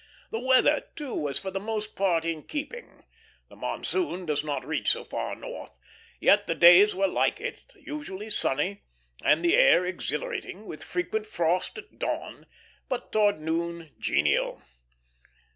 The weather, too, was for the most part in keeping. The monsoon does not reach so far north, yet the days were like it; usually sunny, and the air exhilarating, with frequent frost at dawn, but towards noon genial.